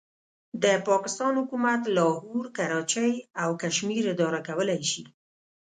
د پاکستان حکومت لاهور، کراچۍ او کشمیر اداره کولای شي.